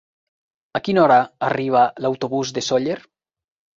A quina hora arriba l'autobús de Sóller?